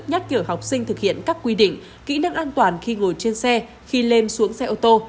nhắc nhở học sinh thực hiện các quy định kỹ năng an toàn khi ngồi trên xe khi lên xuống xe ô tô